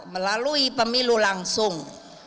melalui pemilu langsung